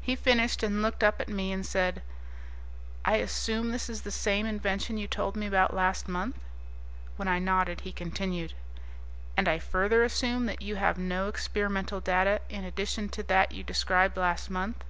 He finished and looked up at me and said, "I assume this is the same invention you told me about last month?" When I nodded he continued, "And I further assume that you have no experimental data in addition to that you described last month?"